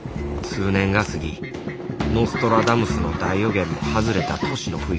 数年が過ぎノストラダムスの大予言も外れた年の冬